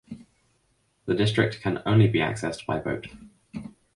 The district can only be accessed by boat.